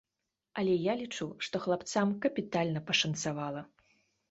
Але я лічу, што хлапцам капітальна пашанцавала.